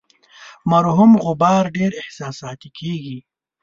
مرحوم غبار ډیر احساساتي کیږي.